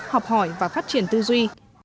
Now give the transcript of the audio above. học hỏi và phát triển tư duy